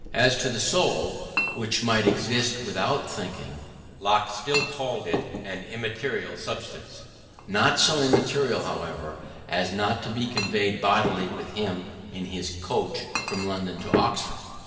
As to the soul, which might exist without thinking, Locke still called it an immaterial substance: not so immaterial, however, as not to be conveyed bodily with him in his coach from London to Oxford.